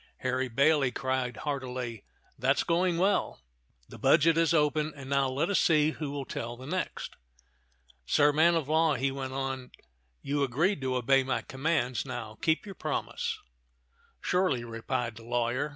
Harry Bailey cried heartily, "That's going well. The budget is open, and now let us see who will tell the next. Sir man of law," he went on, "you agreed to obey my commands; now keep your promise." "Surely," replied the lawyer.